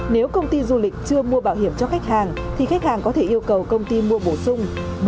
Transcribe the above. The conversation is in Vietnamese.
nếu công ty du lịch chưa mua bảo hiểm cho khách hàng thì khách hàng có thể yêu cầu công ty mua bổ sung